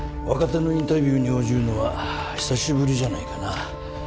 若手のインタビューに応じるのは久しぶりじゃないかな。